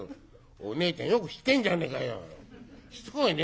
「おねえちゃんよく知ってんじゃねえかよ。しつこいね。